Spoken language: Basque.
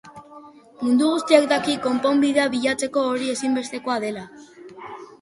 Mundu guztiak daki konponbidea bilatzeko hori ezinbestekoa dela.